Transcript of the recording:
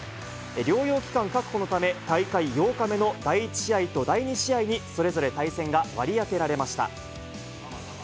療養期間確保のため、大会８日目の第１試合と第２試合にそれぞれ対戦が割り当てられました。